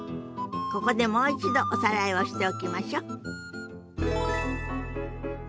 ここでもう一度おさらいをしておきましょ。